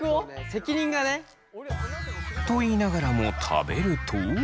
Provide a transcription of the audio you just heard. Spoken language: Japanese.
責任がね。と言いながらも食べると。